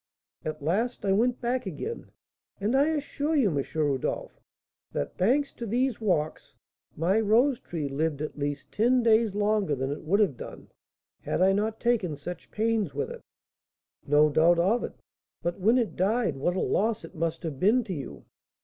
At last I went back again, and I assure you, M. Rodolph, that, thanks to these walks, my rose tree lived at least ten days longer than it would have done, had I not taken such pains with it." "No doubt of it. But when it died, what a loss it must have been to you!"